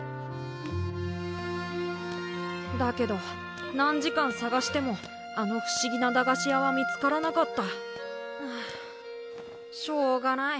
だけど何時間探してもあのふしぎな駄菓子屋は見つからなかったはあしょうがない。